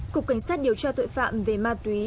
cục cảnh sát điều tra tội phạm về ma túy